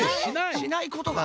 しないことが！？